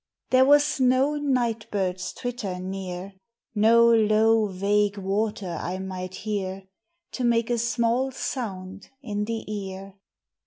There was no night bird's twitter near, No low vague water I might hear To make a small sound in the ear.